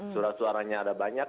suara suaranya ada banyak